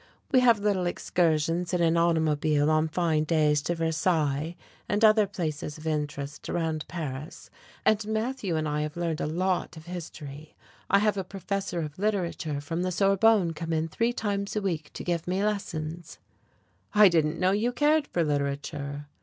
We have little excursions in an automobile on fine days to Versailles and other places of interest around Paris, and Matthew and I have learned a lot of history. I have a professor of literature from the Sorbonne come in three times a week to give me lessons." "I didn't know you cared for literature."